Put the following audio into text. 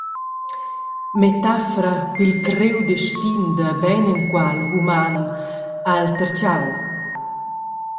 Metafra pil criu destin da beinenqual human, ha el tertgau.